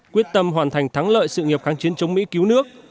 quyết tâm hoàn thành thắng lợi sự nghiệp kháng chiến chống mỹ cứu nước